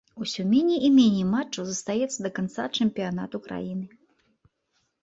Усё меней і меней матчаў застаецца да канца чэмпіянату краіны.